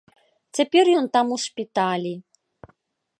Цяпер ён там у шпіталі.